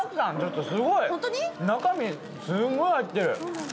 中身すごい入ってる。